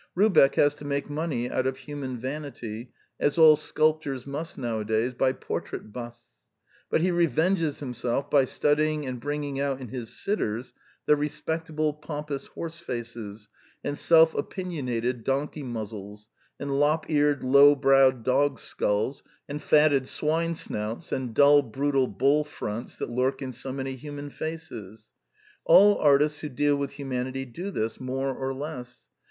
Rubeck has to make money out of human vanity, as all sculptors must nowadays, by portrait busts; but he revenges himself by studying and bringing out in his sitters " the respectable pompous horse faces, and self opinionated donkey muzzles, and lop eared low browed dog skulls, and fatted swine snouts, and dull brutal bull fronts " that lurk in so many human faces. All artists who deal with humanity do this, more or less.